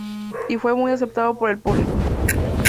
Y fue muy aceptado por el público.